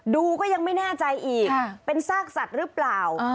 ก็ยังไม่แน่ใจอีกเป็นซากสัตว์หรือเปล่า